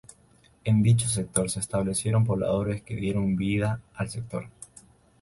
En dicho sector, se establecieron pobladores que dieron vida al sector.